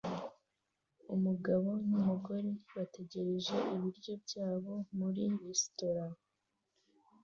Umugabo n'umugore bategereje ibiryo byabo muri resitora